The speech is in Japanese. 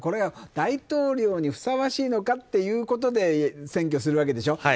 大統領にふさわしいのかということで選挙するわけでしょ。